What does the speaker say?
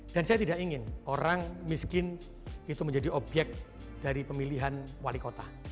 dan saya tidak ingin orang miskin itu menjadi obyek dari pemilihan wali kota